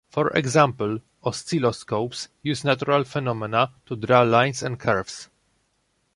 For example, oscilloscopes use natural phenomena to draw lines and curves.